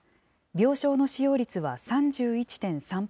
病床の使用率は３１．３％。